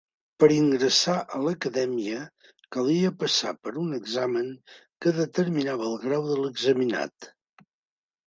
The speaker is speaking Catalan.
Per ingressar a l'acadèmia calia passar per un examen que determinava el grau de l'examinat.